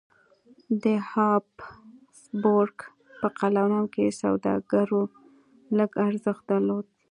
د هابسبورګ په قلمرو کې سوداګرو لږ ارزښت درلود.